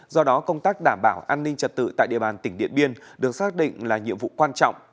do đó công tác đảm bảo an ninh trật tự tại địa bàn tỉnh điện biên được xác định là nhiệm vụ quan trọng